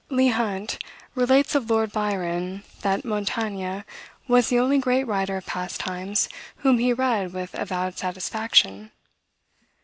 Leigh Hunt relates of Lord Byron, that Montaigne was the only great writer of past times whom he read with avowed satisfaction.